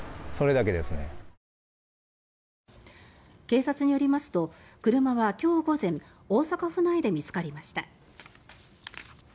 警察によりますと車は、今日午前大阪府内で見つかりました。